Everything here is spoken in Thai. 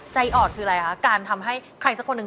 ออดคืออะไรคะการทำให้ใครสักคนหนึ่ง